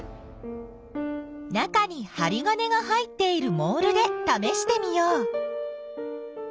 中にはり金が入っているモールでためしてみよう。